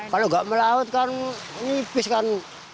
kalau nggak melaut kan nipis kan